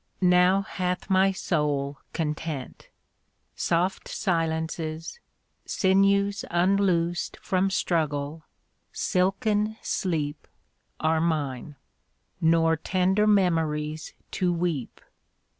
Now hath my soul content. Soft silences, Sinews unloosed from struggle, silken sleep, 27 Are mine; nor tender memories to weep.